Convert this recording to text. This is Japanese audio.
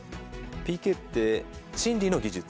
ＰＫって、心理の技術。